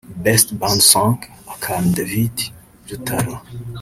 Best Band Song – Akantu – David Lutalo